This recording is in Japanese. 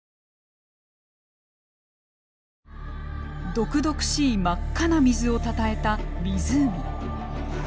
毒々しい真っ赤な水をたたえた湖。